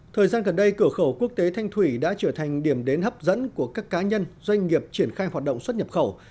thời gian gần đây cửa khẩu quốc tế thanh thủy đã trở thành điểm đến hấp dẫn của các cá nhân doanh nghiệp triển khai hoạt động xuất nhập khẩu